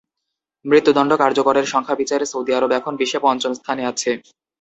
মৃত্যুদণ্ড কার্যকরের সংখ্যার বিচারে সৌদি আরব এখন বিশ্বে পঞ্চম স্থানে আছে।